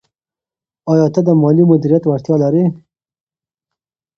آیا ته د مالي مدیریت وړتیا لرې؟